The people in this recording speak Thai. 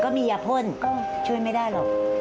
มียาพ่นก็ช่วยไม่ได้หรอก